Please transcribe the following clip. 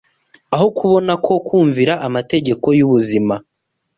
Aho kubona ko kumvira amategeko y’ubuzima